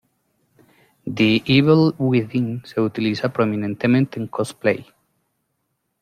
The Evil Within se utiliza prominentemente en cosplay.